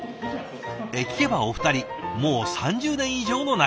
聞けばお二人もう３０年以上の仲。